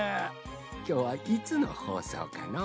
きょうはいつのほうそうかのう。